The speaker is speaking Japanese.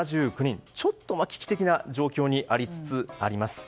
ちょっと危機的な状況になりつつあります。